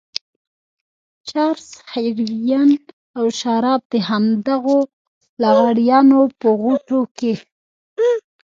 چرس، هيروين او شراب د همدغو لغړیانو په غوټو کې.